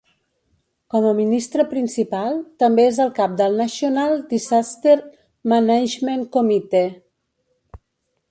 Com a ministre principal, també és el cap del National Disaster Management Committee.